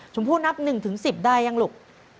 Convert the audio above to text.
ชมพู่นับ๑๑๐ได้ยังลูก